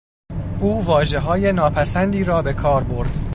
او واژههای ناپسندی را به کار برد.